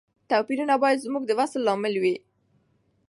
توپیرونه باید زموږ د وصل لامل وي.